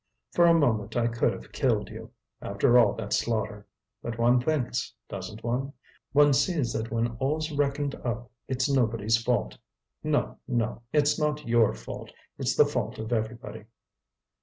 For a moment I could have killed you, after all that slaughter. But one thinks, doesn't one? One sees that when all's reckoned up it's nobody's fault. No, no! it's not your fault; it's the fault of everybody."